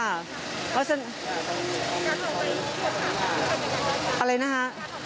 อะไรนะคะ